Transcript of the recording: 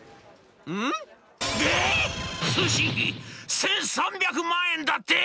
通信費１，３００万円だって！？」。